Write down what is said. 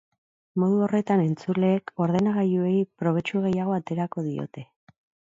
Modu horretan entzuleek ordenagailuei probetxu gehiago aterako diote.